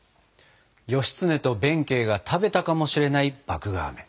義経と弁慶が食べたかもしれない麦芽あめ。